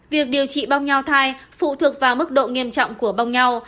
việc điều trị bong nho thai phụ thuộc vào mức độ nghiêm trọng của bong nho